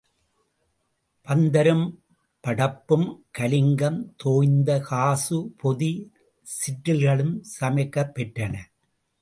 பந்தரும் படப்பும் கலிங்கம் தோய்ந்த காசு பொதி சிற்றில்களும் சமைக்கப் பெற்றன.